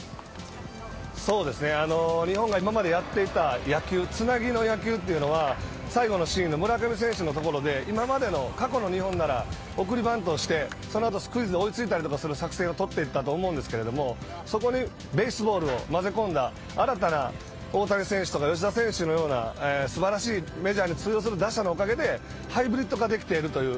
日本が今までやっていた野球、つなぎの野球というのは最後のシーンの村上選手のところで今までの過去の日本なら送りバントしてその後スクイズで追いついたりする作戦を取っていたと思うんですけどもそこにベースボールをまぜ込んだ新たな大谷選手や吉田選手のような素晴らしいメジャーに通用する打者のおかげでハイブリッド化できている。